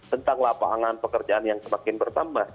tentang lapangan pekerjaan yang semakin bertambah